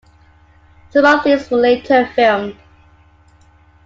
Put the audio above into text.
Some of these were later filmed.